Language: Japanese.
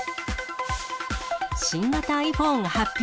新型ｉＰｈｏｎｅ発表。